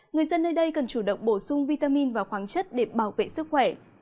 người dân nơi đây cần chủ động bổ sung vitamin và khoáng chất để bảo vệ sức khỏe